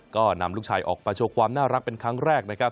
ก็นำลูกชายออกมาโชว์ความน่ารักเป็นครั้งแรกนะครับ